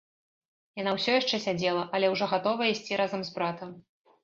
Яна ўсё яшчэ сядзела, але ўжо гатовая ісці разам з братам.